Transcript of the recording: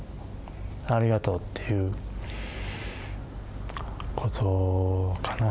ありがとうっていうことかな